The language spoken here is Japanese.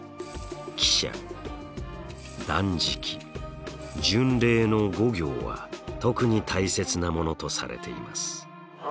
喜捨断食巡礼の五行は特に大切なものとされています。